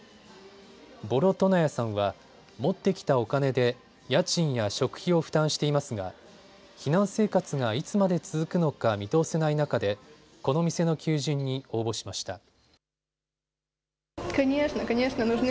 ボロトナヤさんは持ってきたお金で家賃や食費を負担していますが避難生活がいつまで続くのか見通せない中でこの店の求人に応募しました。